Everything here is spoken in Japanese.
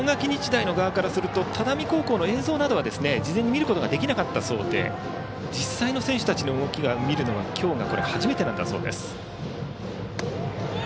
日大側からすると只見高校の映像などは事前に見ることができなかったようで実際の選手たちの動きを見るのは今日が初めてだそうです。